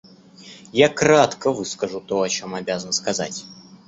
Я кратко выскажу то, о чем обязан сказать.